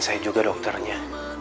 saya juga dokternya